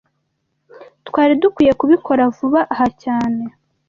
Twari dukwiye kubikora vuba aha cyane